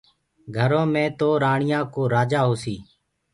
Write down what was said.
گھرو مي تو رآڻيآ ڪو رآجآ هوسي